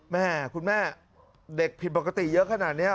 แม่คุณแม่เด็กผิดปกติเยอะขนาดนี้